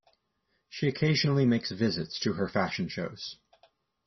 She occasionally makes visits to her fashion shows.